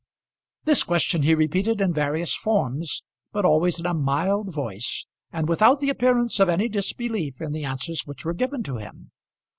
This question he repeated in various forms, but always in a mild voice, and without the appearance of any disbelief in the answers which were given to him.